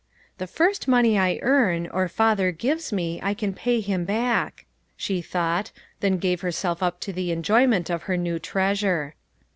" The first money I earn, or father gives me, I can pay him back," she thought, then gave herself up to the enjoyment of her new treasure.